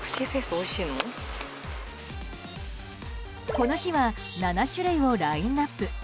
この日は７種類をラインアップ。